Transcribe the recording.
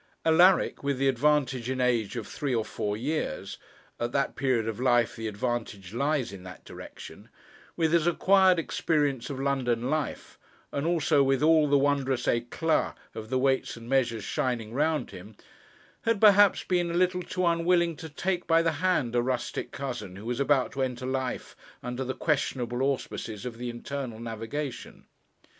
Alaric, with the advantage in age of three or four years at that period of life the advantage lies in that direction with his acquired experience of London life, and also with all the wondrous éclat of the Weights and Measures shining round him, had perhaps been a little too unwilling to take by the hand a rustic cousin who was about to enter life under the questionable auspices of the Internal Navigation.